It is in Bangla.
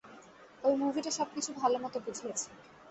ওই মুভিটা সবকিছু ভালমত বুঝিয়েছে।